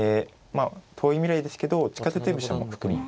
まあ遠い未来ですけど地下鉄飛車も含みに